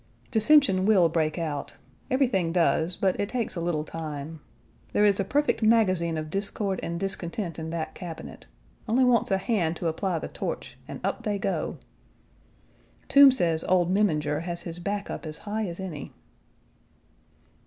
Dissension will break out. Everything does, but it takes a little time. There is a perfect magazine of discord and discontent in that Cabinet; only wants a hand to apply the torch, and up they go. Toombs says old Memminger has his back up as high as any.